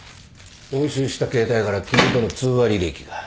押収した携帯から君との通話履歴が。